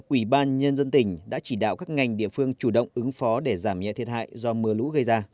ủy ban nhân dân tỉnh đã chỉ đạo các ngành địa phương chủ động ứng phó để giảm nhẹ thiệt hại do mưa lũ gây ra